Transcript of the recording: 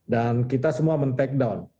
dan kita semua men take down